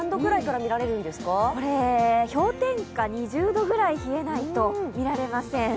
これ、氷点下２０度ぐらい冷えないと見られません。